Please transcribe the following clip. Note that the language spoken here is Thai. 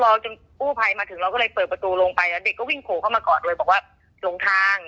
พอจนกู้ภัยมาถึงเราก็เลยเปิดประตูลงไปเด็กก็วิ่งโผล่เข้ามากอดเลยบอกว่าหลงทาง